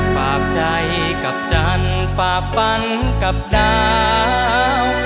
ฝากใจกับจันทร์ฝากฝันกับดาว